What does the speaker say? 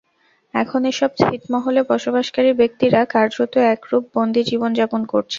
এখন এসব ছিটমহলে বসবাসকারী ব্যক্তিরা কার্যত একরূপ বন্দী জীবন যাপন করছে।